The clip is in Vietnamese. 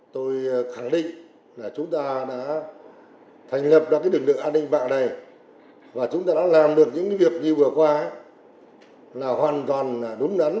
cục an ninh mạng đã thành lập được lực lượng an ninh mạng này và chúng ta đã làm được những việc như vừa qua là hoàn toàn đúng đắn